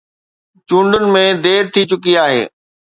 چونڊن ۾ دير ٿي چڪي آهي.